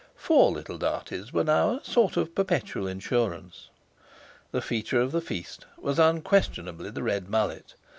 Four little Darties were now a sort of perpetual insurance. The feature of the feast was unquestionably the red mullet.